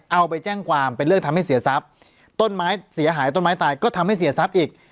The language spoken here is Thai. เอาไปแจ้งความเป็นเรื่องทำให้เสียทรัพย์ต้นไม้เสียหายต้นไม้ตายก็ทำให้เสียทรัพย์อีก